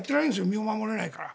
身を守れないから。